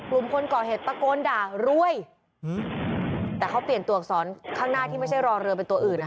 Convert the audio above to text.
คนก่อเหตุตะโกนด่ารวยแต่เขาเปลี่ยนตัวอักษรข้างหน้าที่ไม่ใช่รอเรือเป็นตัวอื่นอ่ะ